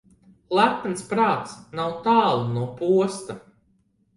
Lepns prāts nav tālu no posta.